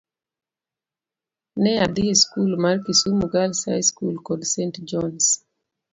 Ne adhi e skul mar Kisumu Girls High School kod St. John's.